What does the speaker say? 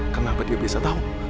kenapa dia bisa tau